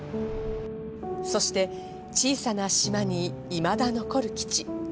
そして小さな島にいまだ残る基地。